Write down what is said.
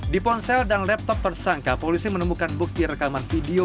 di ponsel dan laptop tersangka polisi menemukan bukti rekaman video